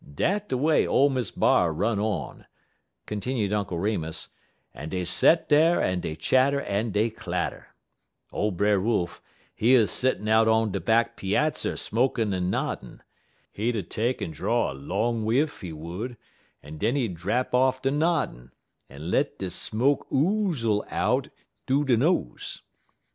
"Dat de way ole Miss B'ar run on," continued Uncle Remus, "en dey set dar en dey chatter en dey clatter. Ole Brer Wolf, he 'uz settin' out on de back peazzer smokin' en noddin'. He 'ud take en draw a long whiff, he would, en den he 'ud drap off ter noddin' en let de smoke oozle out thoo he nose.